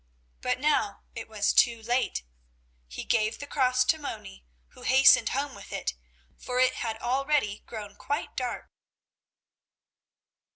But now it was too late. He gave the cross to Moni, who hastened home with it, for it had already grown quite dark.